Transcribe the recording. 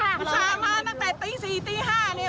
ผู้ชาวมาตั้งแต่ตี๔ตี๕เนี่ยพากันมาเนี่ย